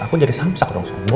aku jadi samsak langsung